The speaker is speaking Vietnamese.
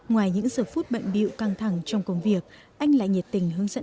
gửi về dự thi lần này